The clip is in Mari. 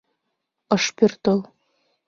— Ыш пӧртыл.